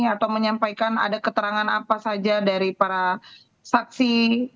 atau menyampaikan ada keterangan apa saja dari para saksi